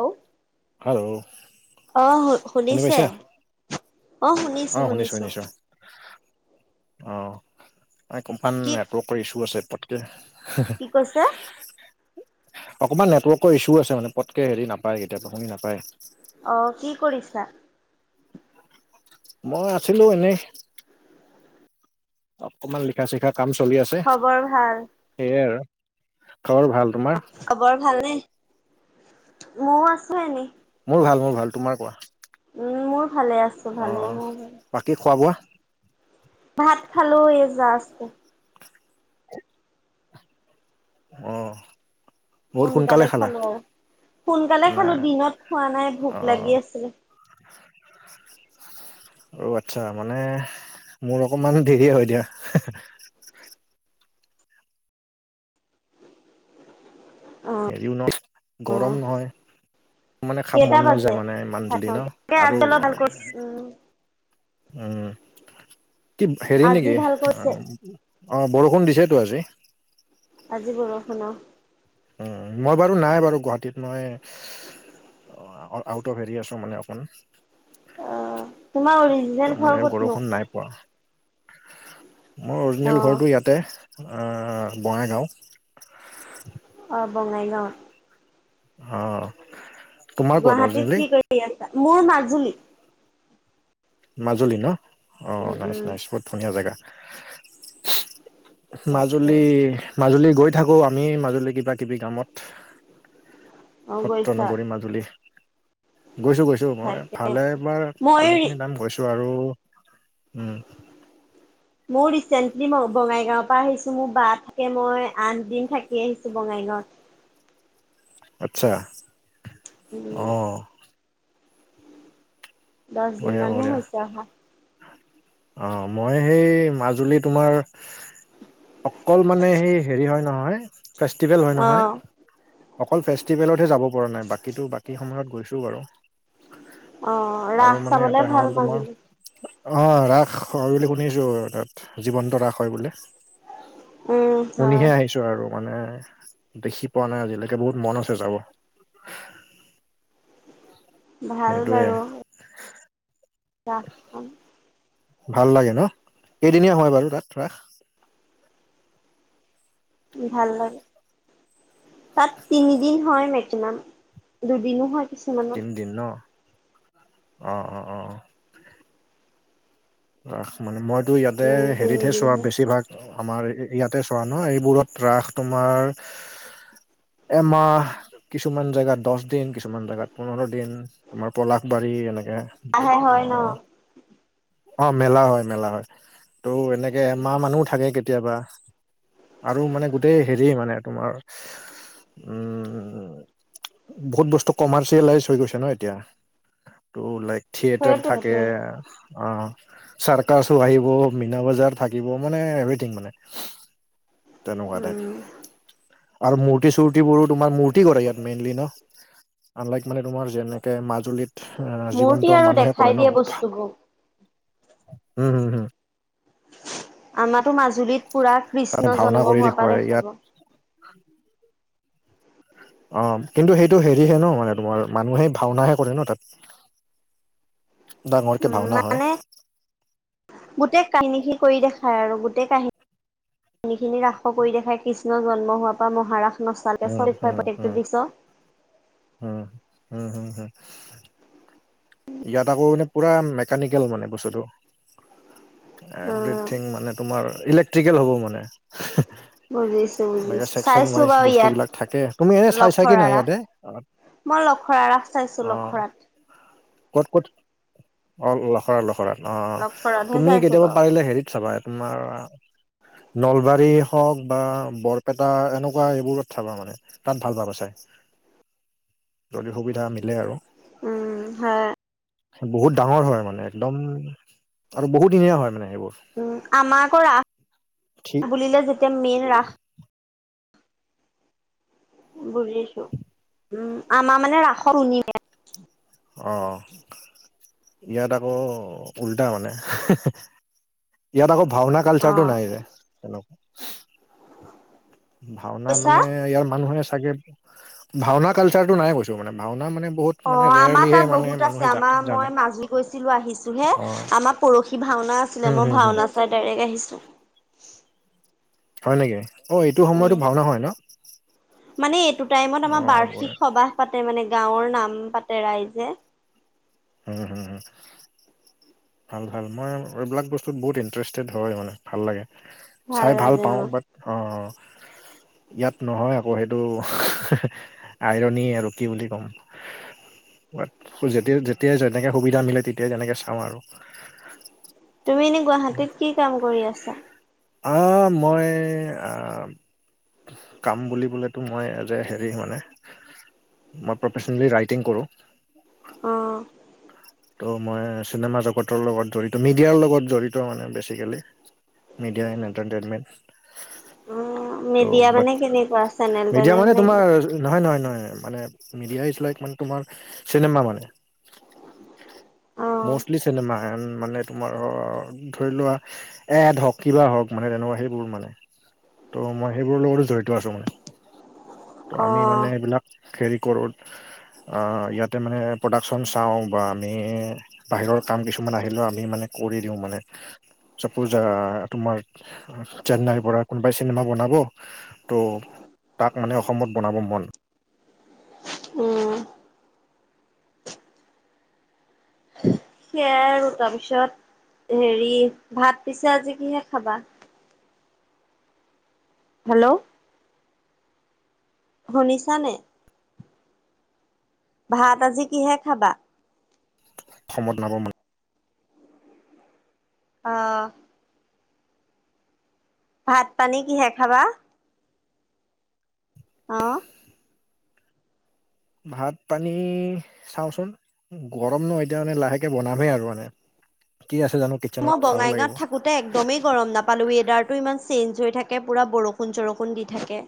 অউ হেল্ল' অ হু শুনি শুনিছে পাইছা? শুনিছো অ শুনিছোঁ শুনিছো। শুনিছোঁ অ এই কোম্পান কি নেটৱৰ্ক কৰি ইছু আছে পতকে কি কৈছে? অকণমান নেটৱৰ্কৰ ইছ্যু আছে মানে পতকে হেৰি নাপায় কেতিয়াবা শুনি নাপায় অ কি কৰিছা? মই আছিলোঁ এনেই। অকণমান লিখা চিখা কাম চলি আছে খবৰ ভাল। সেয়াই আৰু খবৰ ভাল? তোমাৰ? খবৰ ভালনে? ময়ও আছো এনেই। মোৰ ভাল মোৰ ভাল তোমাৰ কোৱা - উম মোৰ ভালে আছে। অ অ বাকী খোৱা বোৱা - ভাত খালোঁ এই যাষ্ট। [inaudible] অ বহুত সোনকালে খালা খালো আৰু সোনকালে খালো নাই দিনত খোৱা নাই অ ভোক লাগি আছিলে। [inaudible] অ আচ্ছা মানে মোৰ অকমান দেৰি হয় দিয়া। অ' হেৰিও নহ গৰম নহয় মানে খাব কেইটা মন বাজে? নাযায় মানে ইমান ভাত জল্দি ন খাওঁতে। এই আৰু আজি অলপ ভাল কৰিছে। উম, উম কি হেৰি আজি নেকি ভাল কৰিছে। অ অঁ বৰষুণ দিছেতো আজি আজি বৰষুণ অ অ মই বাৰু নাই বাৰু গুৱাহাটীত মই অ আউট অফ হেৰি আছ মানে অকণ অ তোমাৰ ত' অৰিজিনেল মানে ঘৰ ক'তনো? বৰষুণ নাই মোৰ অৰিজিনেল অ' ঘৰটো ইয়াতে বঙাইগাঁও অঁ বঙাইগাঁৱত অ তোমাৰ ক'ত গুৱাহাটীত অৰিজিনেলি কি কৰি আছা মোৰ মাজুলী মাজুলী ন অ উম, নাইচ উম, নাইচ বহুত ধুনীয়া জেগা। তাকে মাজুলী মাজুলী গৈ থাকো আমি মাজুলী কিবা কিবি কামত। অ' গৈছা সত্ৰনগৰী মাজুলী গৈছো গৈছো মই তাকে ভালে বাৰ মই ভালে খিনি নাম গৈছোঁ। আৰু উম মোৰ ৰিচেণ্টলি বঙাইগাঁৱৰ পৰা আহিছোঁ মোৰ বা থাকে মই আঠদিন থাকি আহিছোঁ বঙাইগাঁৱত। আচ্ছা উম, অহ দহ দিন বঢ়িয়া মানহে বঢ়িয়া হৈছে অহা। অ মই সেই মাজুলী তোমাৰ অকল মানে সেই হেৰি হয় নহয় ফেষ্টিভেল হয় নহয় অ', অকল ফেষ্টিভেলতহে যাব পৰা নাই বাকীটো বাকী সময়ত গৈছো বাৰু। অ আৰু ৰাস মানে এটা চাবলে হ'ল ভাল তোমাৰ মাজুলী অ ৰাস হয় বুলি শুনিছো তাত জীৱন্ত ৰাস হয় বোলে। উম, হয় শুনিহে আহিছো আৰু। মানে দেখি পোৱা নাই আজিলৈকে বহুত মন আছে যাব। ভাল সেইটোয়ে বাৰু ৰাস খন। ভাল লাগে ন'। কেইদিনীয়া হয় বাৰু তাত ৰাস? উম, ভাল লাগে। তাত তিনিদিন হয় মেক্সিমাম। দুদিনো হয় কিছুমান। দুদিন ন'। অ', অ', অ', অ'। ৰাস মানে মইতো ইয়াতে উম, হেৰিতহে তিনিদিন চোৱা হয়। বেছিভাগ আমাৰ ইয়াতে চোৱা ন'। এইবোৰত ৰাস তোমাৰ এ, মাহ কিছুমান জেগাত দচ দিন কিছুমান জেগাত পোন্ধৰ দিন। তোমাৰ পলাশবাৰী এনেকে আহে হয় ন'। অ', মেলা হয়, মেলা হয়। ত' এনেকে এমাহ মানো থাকে কেত কেতিয়াবা আৰু মানে গোটেই হেৰি মানে তোমাৰ উম, বহুত বস্তু কমাৰ্চিয়েলাইজ হৈ গৈছে ন' এতিয়া। ত' লাইক থিয়েটাৰ সেইটোৱে থাকে। সেইটোৱে আ। চাৰ্কাছো আহিব, মিনা বজাৰ থাকিব। মানে এভৰিথিং মানে। তেনেকুৱা টাইপ। উম। আৰু মূৰ্তি চুৰ্তিবোৰো তোমাৰ মূৰ্তি কৰে ইয়াত মেইনলি ন'। আনলাইক মানে তোমাৰ যেনেকে মাজুলীত আ, মূৰ্তি জীৱন্ত আৰু মানুহে দেখাই কৰে দিয়ে ন'। বস্তুবোৰ। উম, হম। হম আমাৰো মাজুলীত পুৰা তাতে কৃষ্ণ ভাওনা জন্ম কৰি হোৱাৰ পা দেখুৱাই ইয়াত দেখাব। অ', কিন্তু সেইটো হেৰিহে ন' মানে তোমাৰ মানুহে ভাওনাহে কৰে ন' তাত। ডাঙৰকে উম, ভাওনা হয়। মানে গোটেই কাহিনী সি কৰি দেখায় আৰু গোটেই কাহি খিনি ৰাস কৰি দেখাই কৃষ্ণ জন্ম হোৱাৰ পৰা মহাৰাশ নচালে উম চলফাই উম উম প্ৰাকৃতিক দৃশ্য। উম উম, হম, হ। ইয়াত আকৌ মানে পুৰা মেকানিকেল মানে বস্তুটো। উম, এভৰিথিং মানে তোমাৰ ইলেক্ট্ৰিকেল হ'ব মানে। বুজিছো এনেকে বুজিছো ছেকচন চাইছো ৱাইজ বাৰু বস্তু ইয়াত বিলাক থাকে তুমি এনে চাই চা কি লখৰা নাই ৰাস। ইয়াতে? অ'। মই লখৰা ৰাস চাইছোঁ অ, লখৰাত। ক'ত ক'ত? অ', লখৰা লখৰাত অ'। লখৰাতহে তুমি চাইছো কেতিয়াবা বাৰু। পাৰিলে হেৰিত চাবা এত তোমাৰ নলবাৰী হওক বা বৰপেটা এনেকুৱা এইবোৰত চাবা মানে। তাত ভাল পাবা চাই। যদি সুবিধা মিলে আৰু। উম, হয়। বহুত ডাঙৰ হয়। মানে একদম আৰু বহুতদিনীয়া হয় মানে সেইবোৰ। উম, আমাৰ আকৌ ঠিক ৰাস বুলিলে যেতিয়া মেইন ৰাস বুজিছো উম, আমাৰ মানে ৰাসৰ অ'। ইয়াত আকৌ উল্টা মানে। ইয়াত আকৌ ভাওনা কাল চাৰটো অ' নাই যে অলপ ভাওনা কৈছা? মানে ইয়াৰ মানুহে চাগে ভাওনা কালচাৰতটো নাই কৈছো মানে ভাওনা মানে বহুত মানে অ', আমাৰ ৰেয়াৰলিহে তাত মানে বহুত আছে মানুহে জা আমাৰ জানে মই মাজি গৈছিলো আহিছো হে। অ আমাৰ পৰখি ভাওনা আছিলে। হম মই হম হম ভাওনা চাই ডাইৰেক্ট আহিছো। হয় নেকি। অ', এইটো সময়তো উম ভাওনা হয় ন'? মানে এইটো টাইমত অ আমাৰ হুম বাৰ্ষিক সবাহ পাতে মানে গাঁওৰ নাম পাতে ৰাইজে। উম, হম, হ। ভাল ভাল। মই এইবিলাক বস্তুত বহুত ইন্টেৰেষ্টেড হয় মানে ভাল লাগে। চাই ভাল লাগে পাওঁ। অ বাট অৱ'। ইয়াত নহয় আকৌ সেইটো, আইৰনী আৰু কি বুলি ক'ম। বাট যেতিয়াই যেতিয়াই যেনেকে সুবিধা মিলে তেতিয়াই তেনেকে চাওঁ আৰু। তুমি এনে গুৱাহাটীত কি কাম কৰি আছা? আ মই আ কাম বুলিবলেতো মই যে হেৰি মানে। মই প্ৰফেচনেলি ৰাইটিং কৰো। উম। ত' মই চিনেমা জগতৰ লগত জড়িত মিডিয়াৰ লগত জড়িত মানে বেছিকেলি। Media and entertainment. অ ত' মিডিয়া বাত, মানে কেনেকুৱা চেনেল মিডিয়া তেনেল মানে নে তোমাৰ কি নহয় নহয় নহয় মানে মিডিয়া ইচ লাইক মানে তোমাৰ চিনেমা মানে। অ মষ্টলি চিনেমা এড মানে তোমাৰ অ ধৰি লোৱা এড হওক কিবা হওঁক মানে তেনেকুৱা সেইবোৰ মানে। ত' মই সেইবোৰৰ লগতো জড়িত আছো মানে। ত' অ আমি মানে এইবিলাক হেৰি কৰো। অৱ ইয়াতে মানে প্ৰডাকশচন চাওঁ বা আমি বাহিৰৰ কাম কিছুমান আহিলেও আমি মানে কৰি দিওঁ মানে। চাপজ ধৰা তোমাৰ চেন্নাইৰ পৰা কোনোবাই চিনেমা বনাব ত' তাক মানে অসমত বনাব মন। উম। সেয়াই আৰু তাৰপিছত হেৰি ভাত পিছে আজি কিহে খাবা? হেল্ল' শুনিছা নে? ভাত আজি কিহে খাবা? অসময়ত নাপাওঁ মানে অৱ। ভাত পানী কিহে খাবা। অৱ। ভাত পানী চাওঁচোন গৰম ন, এতিয়া মানে লাহেকে বনামহে আৰু মানে। কি আছে জানো। কিটচেনত মই চাব লাগিব বঙাইগাঁৱত থাকো। তাতে একদমেই গৰম নাপালোঁ ৱেডাৰটো ইমান চেঞ্জ হৈ থাকে পুৰা বৰষুণ চৰষুণ দি থাকে।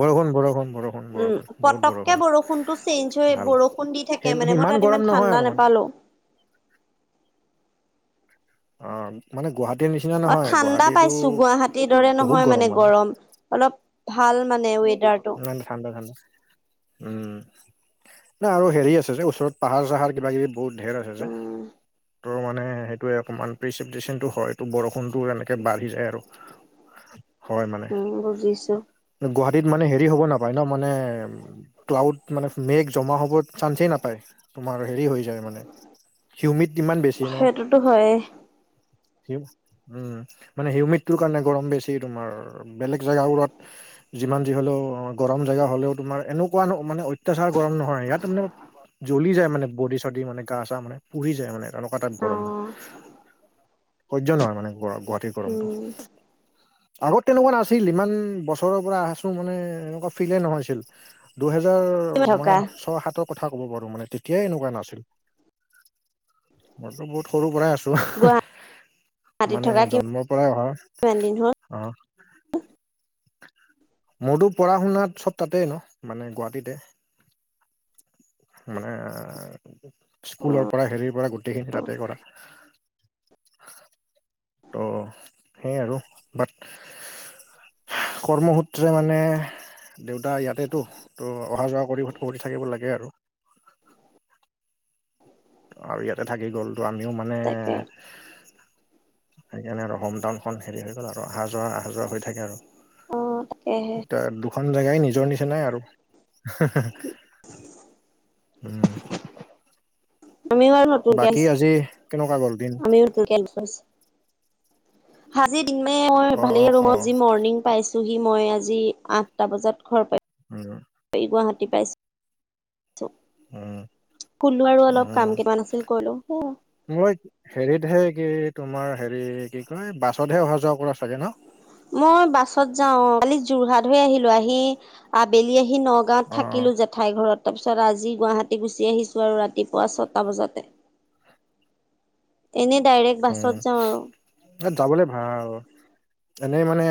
বৰষুণ বৰষুণ বৰষুণ উম বৰষুণ বহুত বৰষুণ পতককে বৰষুণতটো চেঞ্জ হৈ ভাল বৰষুণ দি থাকে। সেই কে মানে মই সিমান তাত গৰম ইমান নহয় আৰু ঠাণ্ডা মানে নাপালোঁ। অৱ। মানে গুৱাহাটীৰ নিচিনা। অ নহয় ঠাণ্ডা গুৱাহাটীতো পাইছোঁ গুৱাহাটীৰ দৰে নহয় মানে গৰম। অলপ ভাল মানে ৱেডাৰটো। ইমান ঠাণ্ডা ঠাণ্ডা উম। নাই আৰু হেৰি আছে যে ওচৰত পাহাৰ চাহাৰ কিবা কিবি বহুত ধেৰ আছে যে। উম বতৰতো মানে সেইটোৱে অকমান প্ৰিচপটচনটো হয়টো বৰষুণটো তেনেকে বাঢ়ি যায় আৰু। হয় মানে, উম বুজিছো গুৱাহাটীত। মানে হেৰি হ'ব নাপায় ন মানে ক্লাউড মানে মেঘ জমা হব চান্সেই নাপায়, তোমাৰ হেৰি হৈ যায় মানে হিউমিড ইমান বেছি ন সেইটোতো হয়েই উম মানে হিউমিডটোৰ কাৰণে গৰম বেছি তোমাৰ বেলেগ জেগাবোৰত যিমান যি হ'লেও গৰম জেগা হ'লেও তোমাৰ এনেকুৱা নো মানে অত্যাচাৰ গৰম নহয় ইয়াত মানে জ্বলি যায় মানে বডি চডি মানে গা চা মানে পুৰি যায় মানে তেনেকুৱা তাত অ গৰম হয় সহ্য নহয় মানে গুৱাহাটী গৰমটো উম আগত তেনেকুৱা নাছিল ইমান বছৰৰ পৰা ত' মানে এনেকুৱা ফিলেই নহৈছিল দুইহেজাৰ মই থকা ছয় সাতত কথা ক'ব পাৰো মানে তেতিয়াই এনেকুৱা নাছিল মইতো বহুত সৰু পৰাই আছোঁ। হ গুৱাহাটীত মানে থকা জন্মৰ পৰাই অহা কিমান দিন হ'ল অ মোৰতো পঢ়া শুনা চব তাতেই ন মানে গুৱাহাটীতে মানে অ স্কুলৰ পৰা হেৰিৰ পৰা গোটেইখিনি তাতে কৰা ত' সেই আৰু বাট কৰ্মসূত্ৰে মানে দেউতা ইয়াতেটো ত অহা যোৱা কৰি ও উঠি থাকিব লাগে আৰু আৰু ইয়াতে থাকি গ'ল টো আমিও মানে তাকে সেইকাৰণে আৰু হোম টাউনখন হেৰি হৈ গ'ল আৰু অহা যোৱা অহা যোৱা হৈ থাকে আৰু অ তাকেহে এতিয়া দুখন জেগাই নিজৰ নিচিনাই আৰু হে হে উম আমিও আৰু নতুনকে বাকী আজি কেনেকুৱা গ'ল দিন আহিছো আমিও নতুনকে লছো আাজিৰ দিন মানে মই অ ভালে অ অ ৰুমত যি মৰ্ণিং পাইছোহি মই আজি আঠটা বজাত ঘৰ পাই হয় এই গুৱাহাটী পাইছো উম শুলো আৰু অলপ উম কাম কিতামান আছিল কৰিলোঁ সেইয়া মই হেৰিতহে কি তোমাৰ হেৰি কি কয় বাছতহে অহা যোৱা কৰা চাগে ন মই বাছত যাও কালি যোৰহাট হৈ আহিলো আহি আবেলি আহি নগাঁৱত অ থাকিলোঁ জেঠাই ঘৰত তাৰপিছত আজি গুৱাহাটী গুচি আহিছোঁ আৰু ৰাতিপুৱা ছটা বজাতে এনেই ডাইৰেক্ট বাছত যাওঁ আৰু তাত যাবলে ভাল এনেই মানে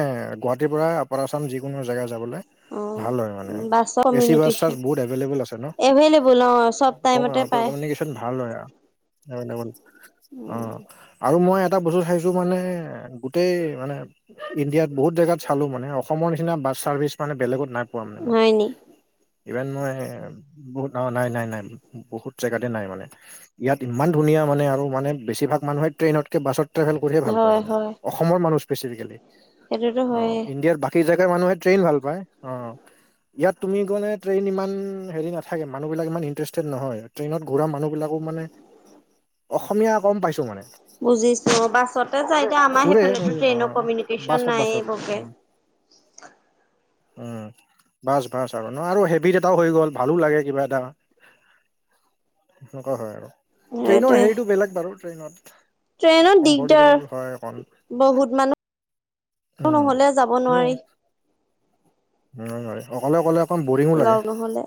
গুৱাহাটীৰ আপাৰ আছাম যিকোনো জেগাত যাবলৈ অ ভাল হয় মানে বাছৰ এ চি বাছ তাত কমিউনিকেশ্যন বহুত এভেইলেবল আছে ন এভেইলেবল অ চব ক টাইমতে পায় কমিউনিকেশ্যন ভাল হয় অ তাত যাবলে আৰু মই এটা বস্তু চাইছো মানে গোটেই মানে ইণ্ডিয়াত বহুত জেগাত চালো মানে অসমৰ নিচিনা বাছ চাৰ্ভিচ মান বেলেগত নাই পোৱা মানে হয়নি ইভেন মই বহুত নাই নাই নাই বহুত জেগাতে নাই মানে ইয়াত ইমান ধুনীয়া মানে আৰু মানে বেছিভাগ মানুহে ট্ৰেইনত কে বাছ টেভেল কৰিয়ে ভাল পায় হয় মানে হয় অসমৰ মানুহ স্পেচিফিকেলি সেইটোতো অ হয়ে ইণ্ডিয়াৰ বাকী জাগাৰ মানুহে ট্ৰেইন ভাল পায় আহ ইয়াত তুমি গ'লে ট্ৰেইন ইমান হেৰি নাথাকে মানুহবিলাক ইমান ইণ্টাৰেষ্টেড নহয় ট্ৰেইনত ঘূৰা মানুহবিলাকো মানে অসমীয়া গম পাইছো মানে বুজিছো অ বাছতে যাই এতিয়া আমাৰ ঘূৰে সেইফালে ট্ৰেইনৰ অ', কমিউনিকেশ্যন বাছত নাই বাছত এই বৰকে উম, উম বাছ বাছ আৰু ন আৰু হেভিত এটাও হৈ গ'ল ভালো লাগে কিবা এটা সেনেকুৱা হয় আৰু ট্ৰেইনৰ সেইটোৱে হেৰিটো বেলেগ বাৰু ট্ৰেইনত ট্ৰেইনত দিগদাৰ কমফৰ্টেবোল হয় অকণ বহুত মানুহ নহ'লে যাব উম। নোৱাৰি উম উম হয় অকলে অকলে অকমান বৰিঙো লাগে লগ নহ'লে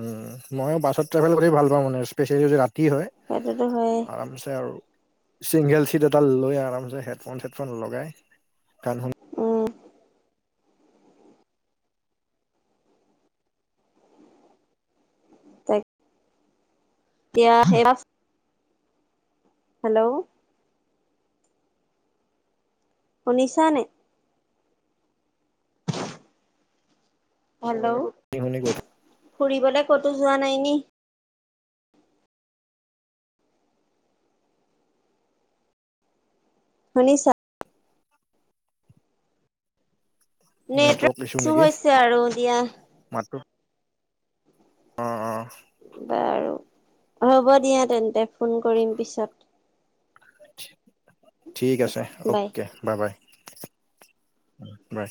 উম মইয়ো বাছত ট্ৰেভেল কৰি ভাল পাওঁ মানে স্পেচিয়েলি যদি ৰাতি হয় সেইটোতো হয়েই আৰামছে আৰু চিংগল চিট এটা লৈ আৰামছে হেডফোন চেডফোন লগাই গান শুনি উম টাক [unintelligible] এতিয়া সেই বাছ হেল্ল' শুনিছা নে হেল্ল' শুনি শুনি গৈ থক ফুৰিবলে ক'তো যোৱা নাই নি শুনিছা নেটৱৰ্ক ইছ্যু ইছু নেকি হৈছে আৰু দিয়া মাতটো অ অ বাৰু হ'ব দিয়া তেন্তে ফোন কৰিম পিছত ঠিক আছে বাই অকে বাইবাই বাই